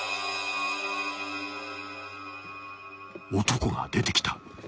［男が出てきた］